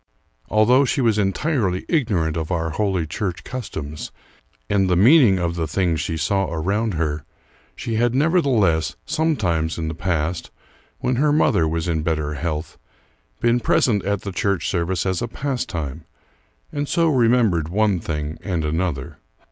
Although she was entirely ignorant of our holy church customs and the meaning of the things she saw around her, she had nevertheless, sometimes in the past, when her mother was in better health, been present at the church service as a pastime, and so remembered one thing and another.